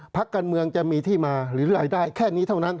พักการเมืองจะมีที่มาหรือรายได้แค่นี้เท่านั้น